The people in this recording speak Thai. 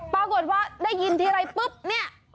ปรากฏว่าได้ยินทีไรปุ๊บเนี่ย